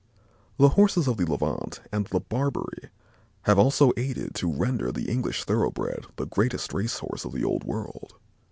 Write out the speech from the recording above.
The Horses of the Levant and the Barbary have also aided to render the English thoroughbred the greatest race horse of the old world.